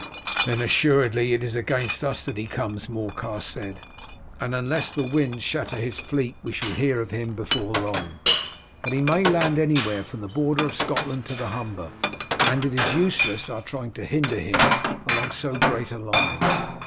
"Then assuredly it is against us that he comes," Morcar said, "and unless the winds shatter his fleet we shall hear of him before long. But he may land anywhere from the border of Scotland to the Humber, and it is useless our trying to hinder him along so great a line.